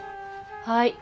はい？